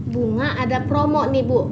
bunga ada promo nih bu